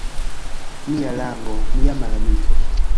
Mia lango — mia malamiko.